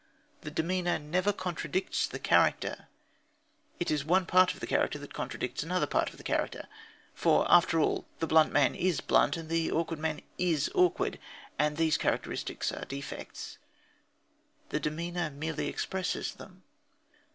The demeanour never contradicts the character. It is one part of the character that contradicts another part of the character. For, after all, the blunt man is blunt, and the awkward man is awkward, and these characteristics are defects. The demeanour merely expresses them.